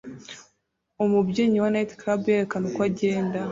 Umubyinnyi wa Nightclub yerekana uko agenda